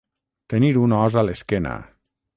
Tenir un os a l'esquena.